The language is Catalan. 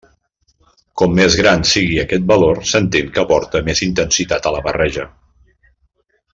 Com més gran sigui aquest valor s'entén que aporta més intensitat a la barreja.